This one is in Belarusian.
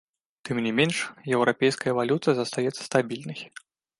Тым не менш, еўрапейская валюта застаецца стабільнай.